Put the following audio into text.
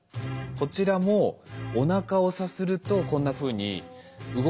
こちらもおなかをさするとこんなふうに動かなくなる。